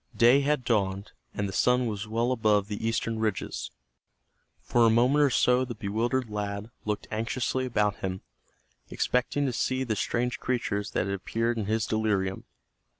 Day had dawned, and the sun was well above the eastern ridges. For a moment or so the bewildered lad looked anxiously about him, expecting to see the strange creatures that had appeared in his delirium.